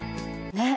ねっ？